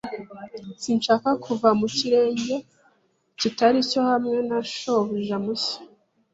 Sinshaka kuva mu kirenge kitari cyo hamwe na shobuja mushya.